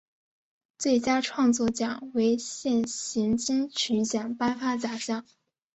最佳创作奖为现行金曲奖颁发奖项。